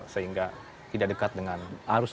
sehingga tidak dekat dengan arus